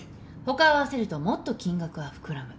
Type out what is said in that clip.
他を合わせるともっと金額は膨らむ。